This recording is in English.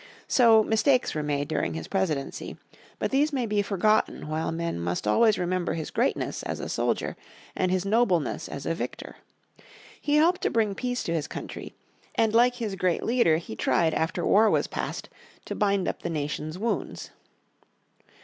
So mistakes were made during his Presidency. But these may be forgotten while men must always remember his greatness as a soldier, and his nobleness as a victor. He helped to bring peace to his country, and like his great leader he tried after war was past to bind up the nation's wounds.